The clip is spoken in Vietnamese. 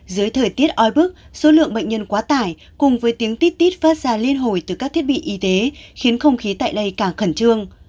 dưới thời tiết ói bức số lượng bệnh nhân quá tải cùng với tiếng tít tít phát ra liên hồi từ các thiết bị y tế khiến không khí tại đây cả khẩn trương